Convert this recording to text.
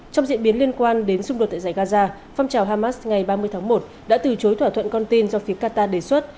trong diễn biến liên quan đến xung đột tại giải gaza phong trào hamas ngày ba mươi tháng một đã từ chối thỏa thuận con tin do phía qatar đề xuất